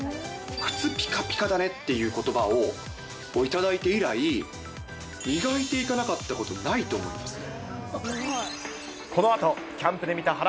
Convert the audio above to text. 靴ぴかぴかだねっていうことばを頂いて以来、磨いていかなかったこと、ないと思いますね。